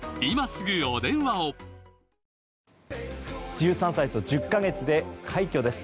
１３歳と１０か月で快挙です。